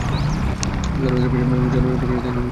চড়াই-উতরাই পেরিয়ে তিনি ছুটে চললেন।